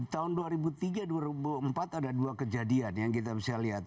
tahun dua ribu tiga dua ribu empat ada dua kejadian yang kita bisa lihat